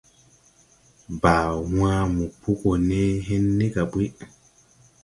Baa wãã mo po go ne hen ni ga ɓuy.